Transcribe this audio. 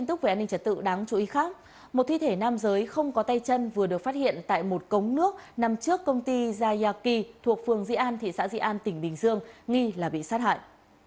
tin tức về an ninh trật tự đáng chú ý khác một thi thể nam giới không có tay chân vừa được phát hiện tại một cống nước nằm trước công ty zayaki thuộc phường di an thị xã di an tỉnh bình dương nghi là bị sát hại